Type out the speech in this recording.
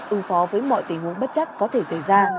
ứng phó với mọi tình huống bất chắc có thể xảy ra